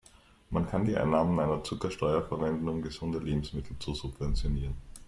Man könnte die Einnahmen einer Zuckersteuer verwenden, um gesunde Lebensmittel zu subventionieren.